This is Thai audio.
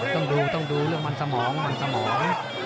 ต้องดูต้องดูเรื่องมันสมองมันสมอง